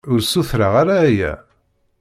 Ur ssutreɣ ara aya.